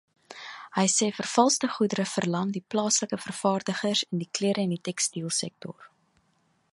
Hy sê vervalste goedere verlam die plaaslike vervaardigers in die klere- en die tekstielsektor.